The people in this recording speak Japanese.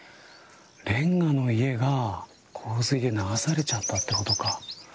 レンガの家が洪水で流されちゃったということか。